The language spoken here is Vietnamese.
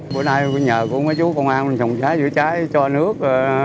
bữa nay tôi nhờ các chú công an trồng trái chữa trái cho nước